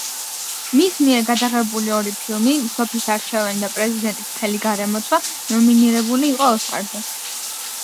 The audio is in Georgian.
მის მიერ გადაღებული ორი ფილმი: „სოფის არჩევანი“ და „პრეზიდენტის მთელი გარემოცვა“ ნომინირებული იყო ოსკარზე.